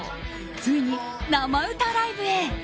ついに生歌ライブへ。